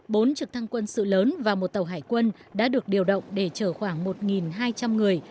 bốn trực thăng quân sự lớn và một tàu hải quân đã được điều động để chở khoảng một hai trăm linh người